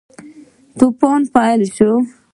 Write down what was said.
توپان پیل شو.